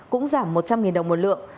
cũng giảm một trăm linh đồng một lượng